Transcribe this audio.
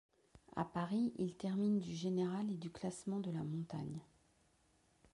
À Paris, il termine du général et du classement de la montagne.